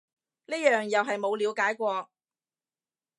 呢樣又係冇了解過